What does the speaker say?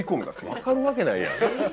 分かるわけないやん。